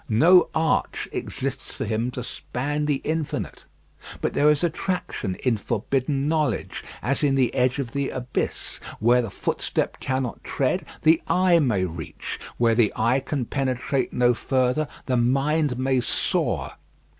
No arch exists for him to span the Infinite. But there is attraction in forbidden knowledge, as in the edge of the abyss. Where the footstep cannot tread, the eye may reach; where the eye can penetrate no further, the mind may soar.